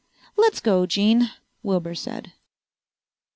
"Let's go, Jean," Wilbur said.